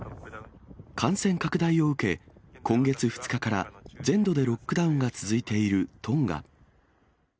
感染拡大を受け、今月２日から全土でロックダウンが続いているトンガ。